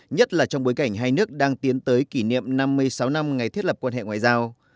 nhất là trong bối cảnh hai nước đang tiến tới kỷ niệm năm mươi sáu năm ngày thiết lập quan hệ ngoại giao